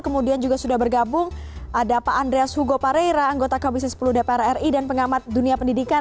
kemudian juga sudah bergabung ada pak andreas hugo pareira anggota komisi sepuluh dpr ri dan pengamat dunia pendidikan